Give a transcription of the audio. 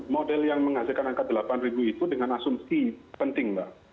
model yang menghasilkan angka delapan ribu itu dengan asumsi penting mbak